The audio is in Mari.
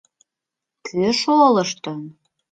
— Кӧ шолыштын?